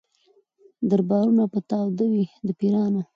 دربارونه به تاوده وي د پیرانو